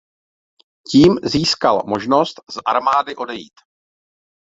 Tím získal možnost z armády odejít.